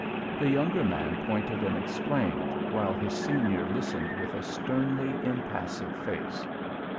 The younger man pointed and explained, while his senior listened with a sternly impassive face.